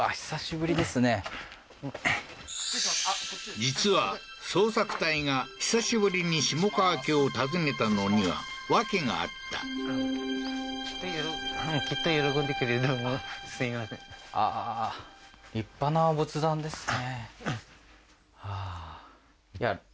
実は捜索隊が久しぶりに下川家を訪ねたのには訳があったすいませんああーそうなんだはいですよね